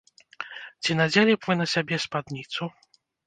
Ці надзелі б вы на сябе спадніцу?